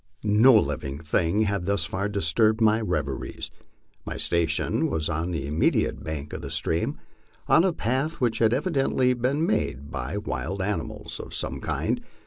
No living thing had thus far disturbed my reveries. My station was on the immediate bank of the stream, on a path which had evidently been made by wild animals of some kind.